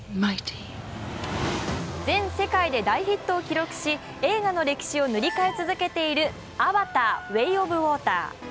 全世界で大ヒットを記録し、映画の歴史を塗り替え続けている「アバター：ウェイ・オブ・ウォーター」。